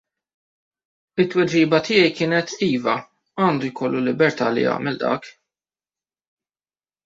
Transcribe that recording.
It-tweġiba tiegħi kienet iva, għandu jkollu l-libertà li jagħmel dak.